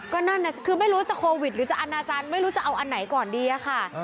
ก็นั่นน่ะคือไม่รู้จะโควิดหรือจะอนาจารย์ไม่รู้จะเอาอันไหนก่อนดีอะค่ะ